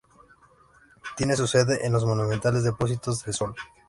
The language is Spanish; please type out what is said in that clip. Tiene su sede en los monumentales Depósitos del Sol.